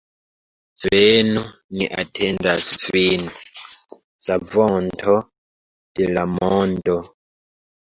Venu, ni atendas vin, Savonto de la mondo.